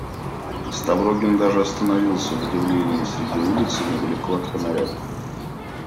Ставрогин даже остановился в удивлении среди улицы, недалеко от фонаря.